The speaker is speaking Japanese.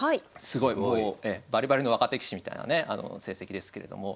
すごいもうバリバリの若手棋士みたいなね成績ですけれども。